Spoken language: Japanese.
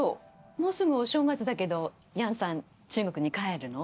もうすぐお正月だけど楊さん中国に帰るの？